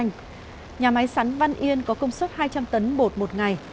nhà máy sắn văn yên có công suất hai trăm linh tấn bột một ngày